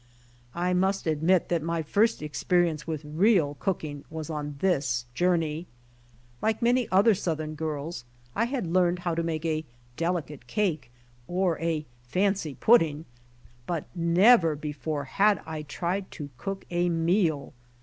I must admit that my first experience with real cooking was on this journey. Like many other Southern girls I had learned how to make a delicate cake or a fancy pudding, but never before had I tried to cook a meal.